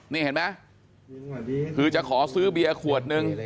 นี่เห็นไหมคือจะขอซื้อเบียร์ขวดนึง